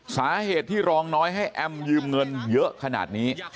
สาเหตุที่รองน้อยให้แอมยืมเงินเยอะขนาดนี้